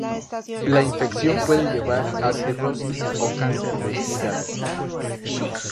La infección puede llevar a cirrosis y cáncer de hígado.